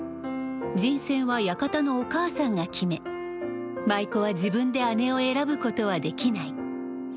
人選は屋形のおかあさんが決め舞妓は自分であねを選ぶことはできない。